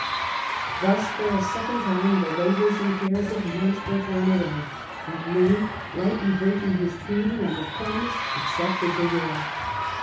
Thus for a second time the labours and cares of ftionths were thrown away, and Louis, lightly breaking his treaty and his promise, accepted the will.